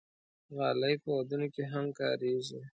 غالۍ په ودونو کې هم کارېږي.